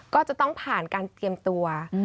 ก็จะต้องผ่านการเตรียมตัว